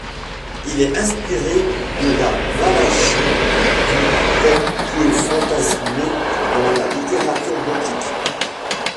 Il est inspiré de la Valachie du telle que fantasmée dans la littérature gothique.